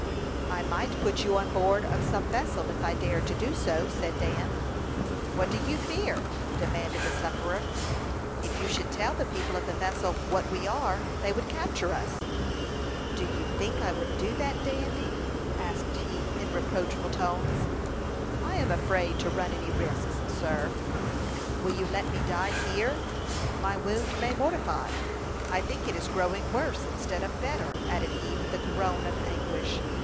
"I might put you on board of some vessel if I dared to do so," said Dan. "What do you fear?" demanded the sufferer. "If you should tell the people of the vessel what we are, they would capture us." "Do you think I would do that, Dandy?" asked he, in reproachful tones. "I am afraid to run any risks, sir." "Will you let me die here? My wound may mortify. I think it is growing worse instead of better," added he, with a groan of anguish.